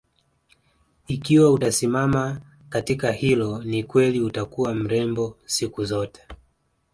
Ikiwa utasimama katika hilo ni kweli utakuwa mrembo siku zote